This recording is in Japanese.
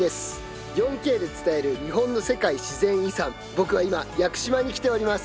僕は今屋久島に来ております。